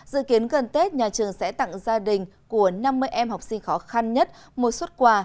dự kiến gần tết nhà trường sẽ tặng gia đình của năm mươi em học sinh khó khăn nhất một xuất quà